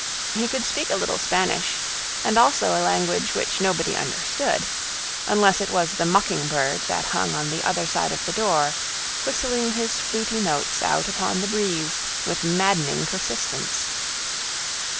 He could speak a little Spanish, and also a language which nobody understood, unless it was the mocking bird that hung on the other side of the door, whistling his fluty notes out upon the breeze with maddening persistence.